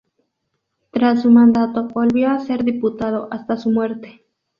Tras su mandato, volvió a ser diputado, hasta su muerte.